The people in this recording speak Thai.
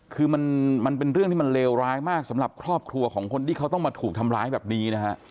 คือมันเป็นเรื่องที่มันเลวร้ายมากสำหรับครอบครัวของคนที่เขาต้องมาถูกทำร้ายแบบนี้นะฮะ